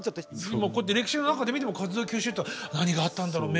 今こうやって歴史の中で見ても活動休止って何があったんだろう